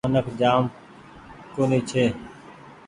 منک جآم ڪونيٚ ڇي۔